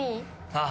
ああ。